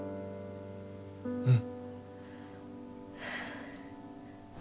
うん。